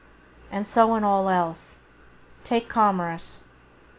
And so in all else. Take Commerce.